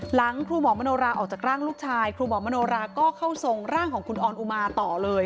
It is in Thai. หลังครูหมอมโนราออกจากร่างลูกชายครูหมอมโนราก็เข้าทรงร่างของคุณออนอุมาต่อเลย